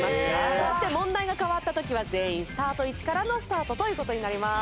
そして問題が変わった時は全員スタート位置からのスタートという事になります。